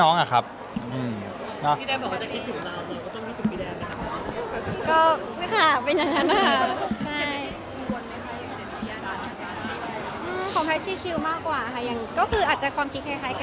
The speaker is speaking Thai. ก็อาจจะเดี๋ยวไม่รู้ว่าเขายุ่งมันก็คงมีเวลา